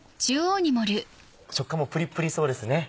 食感もプリプリそうですね。